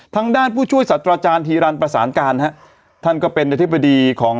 ทางด้านผู้ช่วยสัตว์อาจารย์ฮีรันประสานการฮะท่านก็เป็นอธิบดีของ